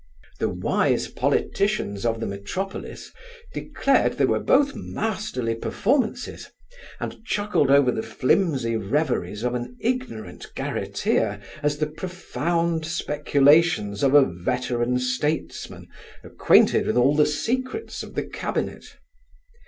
The wise politicians of the metropolis declared they were both masterly performances, and chuckled over the flimsy reveries of an ignorant garretteer, as the profound speculations of a veteran statesman, acquainted with all the secrets of the cabinet.